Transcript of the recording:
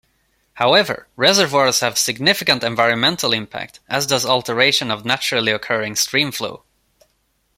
However reservoirs have significant environmental impact, as does alteration of naturally occurring stream flow.